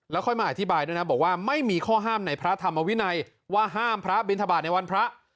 ค่อยมาอธิบายด้วยนะบอกว่าไม่มีข้อห้ามในพระธรรมวินัยว่าห้ามพระบินทบาทในวันพระ